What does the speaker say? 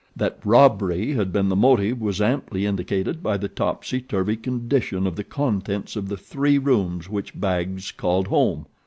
That robbery had been the motive was amply indicated by the topsy turvy condition of the contents of the three rooms which Baggs called home.